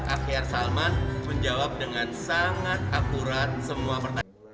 akyar salman menjawab dengan sangat akurat semua pertanyaan